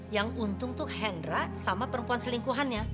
yang untung tuh hendra sama perempuan selingkuhannya